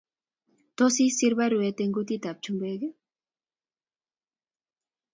Tos, isiir baruet eng kutitab chumbek?